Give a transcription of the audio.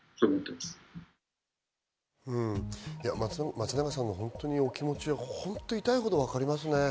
松永さんのお気持ちは本当に痛いほどわかりますね。